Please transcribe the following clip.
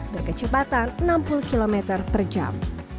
berkecepatan enam puluh km per jam